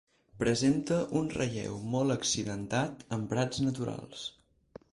Presenta un relleu molt accidentat amb prats naturals.